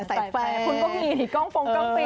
คุณพวกมีที่กล้องฟงกล้องฟิล์ม